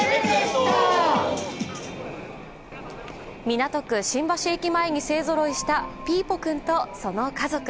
港区・新橋駅前に勢ぞろいしたピーポくんとその家族。